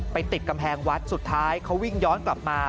ติดกำแพงวัดสุดท้ายเขาวิ่งย้อนกลับมา